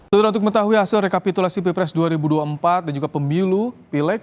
terutama untuk mengetahui hasil rekapitulasi pilpres dua ribu dua puluh empat dan juga pemilu pilek